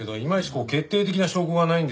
こう決定的な証拠がないんですよ。